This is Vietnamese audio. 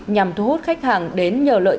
nhằm thu hút khách hàng đến nhờ lợi